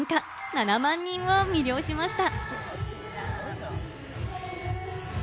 ７万人を魅了しました。